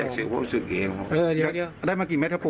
๖กว่าอยู่เยอะครับเดี๋ยวท่านเองได้มีข่อมูลหน้ากับ